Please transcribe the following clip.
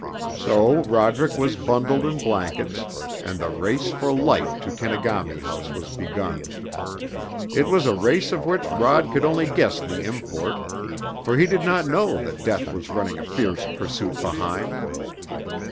So Roderick was bundled in blankets, and the race for life to Kenegami House was begun. It was a race of which Rod could only guess the import, for he did not know that Death was running a fierce pursuit behind.